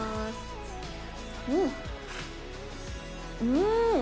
うん！